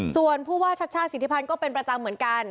ส่วนผู้ว่าชัชชาติสิทธิพันธ์ก็เป็นประจำเหมือนกัน